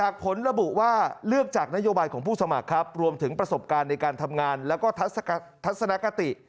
คุณสมัครครับรวมถึงประสบการณ์ในการทำงานแล้วก็ทัศนกติ